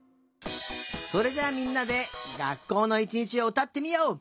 それじゃみんなでがっこうのいちにちをうたってみよう。